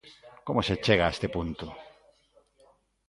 Como se chega a este punto?